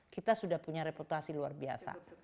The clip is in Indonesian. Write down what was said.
kita sudah punya reputasi luar biasa